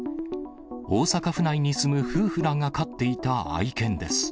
大阪府内に住む夫婦らが飼っていた愛犬です。